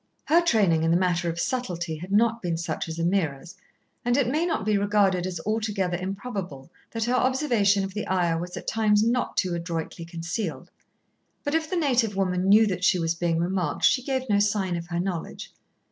Her training in the matter of subtlety had not been such as Ameerah's, and it may not be regarded as altogether improbable that her observation of the Ayah was at times not too adroitly concealed, but if the native woman knew that she was being remarked, she gave no sign of her knowledge.